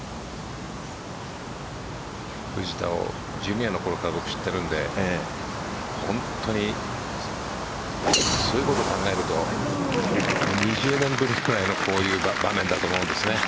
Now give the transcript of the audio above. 藤田をジュニアのころから知っているので本当にそういうことを考えると２０年ぶりくらいのこういう場面だと思います。